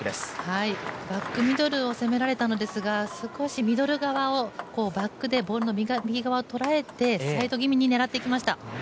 バックミドルを攻められたのですが、少し、ミドル側をバックでボールの右側をとらえてサイド気味に狙っていきました。